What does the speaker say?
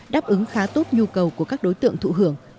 đáp ứng khá tốt nhu cầu của các đối tượng thụ hưởng